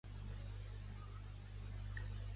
Què hi ha al carrer del Tajo número noranta?